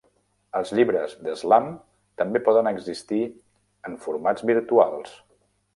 Els llibres de Slam també poden existir en formats virtuals.